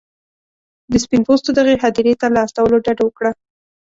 د سپین پوستو دغې هدیرې ته له استولو ډډه وکړه.